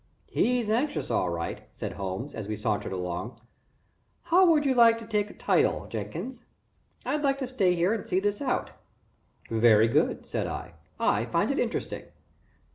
"He's anxious, all right," said Holmes, as we sauntered along. "How would you like to take a bite, Jenkins? I'd like to stay here and see this out." "Very good," said I. "I find it interesting."